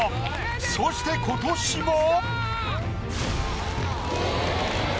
そして今年も。